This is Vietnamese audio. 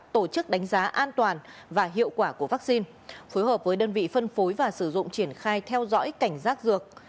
tổ chức đánh giá an toàn và hiệu quả của vaccine phối hợp với đơn vị phân phối và sử dụng triển khai theo dõi cảnh giác dược